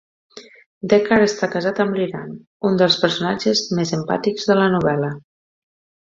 Deckard està casat amb l'Iran, un dels personatges més empàtics de la novel·la.